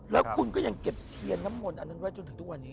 แล้วคุณก็ยังเก็บเทียนน้ำมนต์อันนั้นไว้จนถึงทุกวันนี้